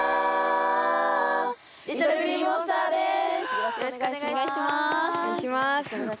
よろしくお願いします。